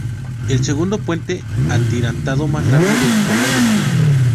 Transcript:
Es el segundo puente atirantado más largo de Corea del Sur.